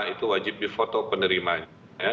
itu wajib di foto penerimanya